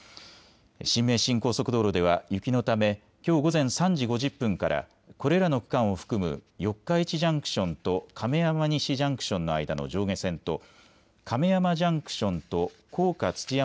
新名神高速道路では雪のためきょう午前３時５０分からこれらの区間を含む四日市ジャンクションと亀山西ジャンクションの間の上下線と亀山ジャンクションと甲賀土山